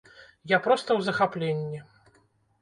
Я проста ў захапленні!